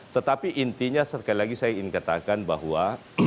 tetapi intinya sekali lagi saya ingin katakan bahwa